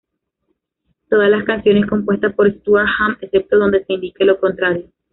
Todas las canciones compuestas por Stuart Hamm, excepto donde se indique lo contrario.